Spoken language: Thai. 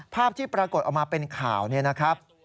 ภาพที่ปรากฏออกมาเป็นข่าวเนี่ยนะครับ